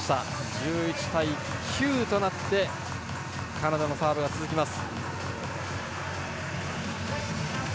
１１対９となってカナダのサーブが続きます。